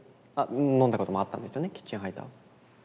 飲んだこともあったんですよねキッチンハイター。